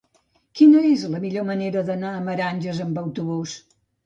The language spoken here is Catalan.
Quina és la millor manera d'anar a Meranges amb autobús?